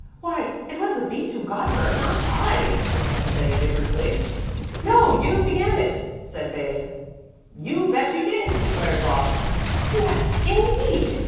Why, it was the B's who got her, not I," protested Betty vigorously. "No, you began it," said Babe. "You bet you did," declared Bob. "Yes, indeed.